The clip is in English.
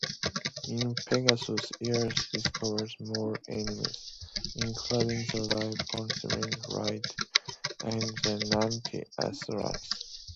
In Pegasus Earth discovers more enemies, including the life-consuming Wraith and the nanite Asurans.